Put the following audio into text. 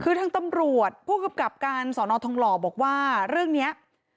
คือทางตำรวจผู้กำกับการสอนอทองหล่อบอกว่าเรื่องนี้